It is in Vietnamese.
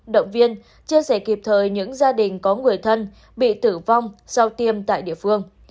động viên chia sẻ kịp thời những gia đình có người thân bị tử vong sau tiêm tại địa phương